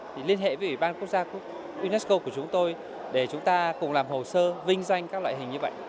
thì liên hệ với ủy ban quốc gia unesco của chúng tôi để chúng ta cùng làm hồ sơ vinh danh các loại hình như vậy